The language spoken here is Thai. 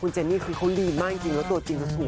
เจนนี่คือเขาดีมากจริงแล้วตัวจริงเขาสวย